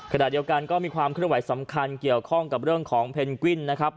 ขณะเดียวกันก็มีความเคลื่อนไหวสำคัญเกี่ยวข้องกับเรื่องของเพนกวิ้นนะครับ